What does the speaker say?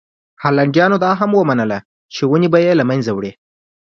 هالنډیانو دا هم ومنله چې ونې به یې له منځه وړي.